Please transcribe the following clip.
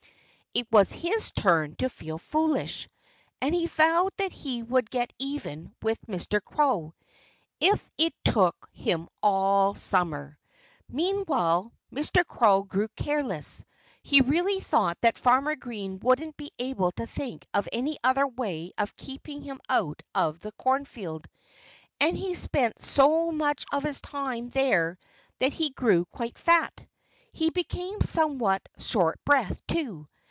It was his turn to feel foolish. And he vowed that he would get even with Mr. Crow, if it took him all summer. Meanwhile, Mr. Crow grew careless. He really thought that Farmer Green wouldn't be able to think of any other way of keeping him out of the cornfield. And he spent so much of his time there that he grew quite fat. He became somewhat short breathed, too.